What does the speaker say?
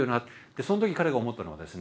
その時彼が思ったのはですね